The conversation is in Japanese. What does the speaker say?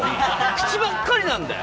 口ばっかりなんだよ。